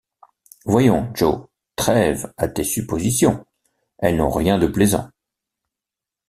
Voyons, Joe, trêve à tes suppositions ; elles n’ont rien de plaisant.